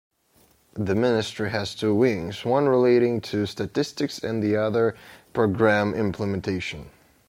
The Ministry has two wings, one relating to Statistics and the other Programme Implementation.